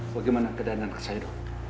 bagaimana keadaan anak saya itu